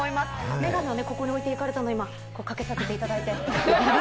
眼鏡をここに置いていかれたのをかけさせていただいて。